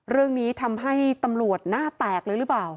เรื่องนี้ทำให้ตำรวจหน้าแตกเลยหรือเปล่า